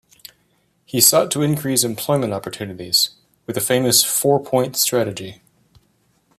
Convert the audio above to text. He sought to increase employment opportunities with a famous four-point strategy.